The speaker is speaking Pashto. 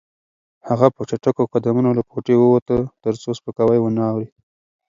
هغه په چټکو قدمونو له کوټې ووته ترڅو سپکاوی ونه اوري.